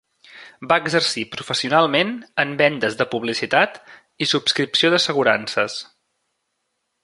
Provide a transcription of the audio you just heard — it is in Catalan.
Va exercir professionalment en vendes de publicitat i subscripció d'assegurances.